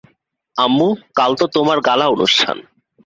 আম্মু, কাল তো তোমার গালা অনুষ্ঠান।